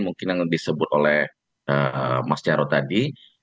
mungkin yang disebut oleh mas jarod tadi